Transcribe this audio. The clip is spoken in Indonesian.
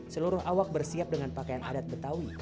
seluruh awak bersiap dengan pakaian adat betawi